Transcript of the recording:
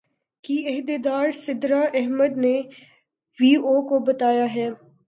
کی عہدیدار سدرا احمد نے وی او کو بتایا ہے